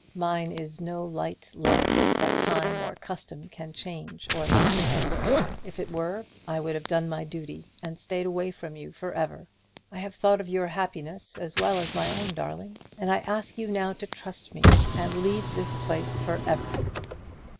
Mine is no light love, that time or custom can change or lessen: if it were, I would have done my duty, and stayed away from you for ever. I have thought of your happiness as well as my own, darling; and I ask you now to trust me, and leave this place for ever."